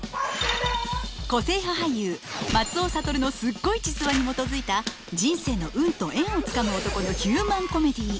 個性派俳優松尾諭のスッゴイ実話にもとづいた人生の運と縁をつかむ男のヒューマン・コメディー。